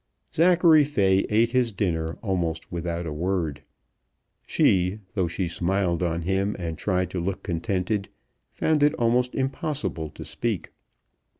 Zachary Fay ate his dinner almost without a word. She, though she smiled on him and tried to look contented, found it almost impossible to speak.